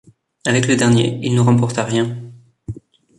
Avec le dernier, il ne remporta rien.